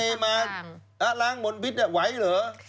เอาน้ำทะเลมาล้างบนพิษไหวเหรอ